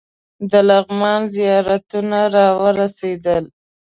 د لغمان زیارتونه راورسېدل.